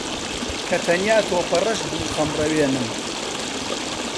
کە تەنیا تۆپەڕەش بوو خەمڕەوێنم